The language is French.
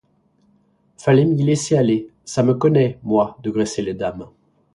Fallait m'y laisser aller: ça me connaît, moi, de graisser les dames.